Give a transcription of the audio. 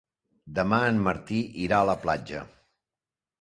Demà en Martí irà a la platja.